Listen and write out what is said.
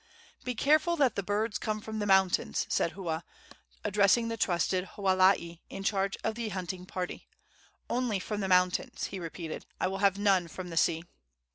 "Be careful that the birds come from the mountains," said Hua, addressing the trusted hoalii in charge of the hunting party "only from the mountains," he repeated; "I will have none from the sea."